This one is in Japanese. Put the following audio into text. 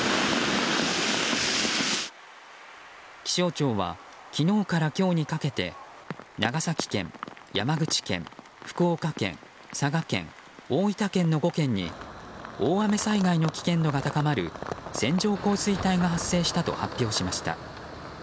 気象庁は昨日から今日にかけて長崎県、山口県、福岡県、佐賀県大分県の５県に大雨災害の危険度が高まる線状降水帯が発生したと発表しました。